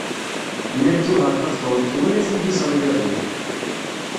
Nna Lǧuheṛ Tabetṛunt twala tiliẓri iḍelli.